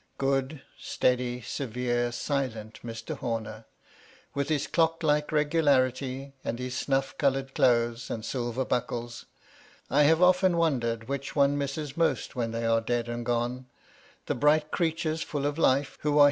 Good, steady, severe, silent Mr. Homer ! with his clock like regularity, and his snuff coloured clothes, and silver buckles! I have often wondered which one misses most when they are dead and gone, — ^the bright creatures full of life, who are 332 MY LADY LUDLOW.